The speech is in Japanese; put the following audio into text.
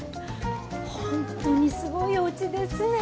本当にすごいおうちですね。